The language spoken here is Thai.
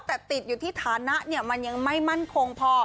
แต่ติดอยู่ที่ฐานะมันยังไม่มั่นคงพอ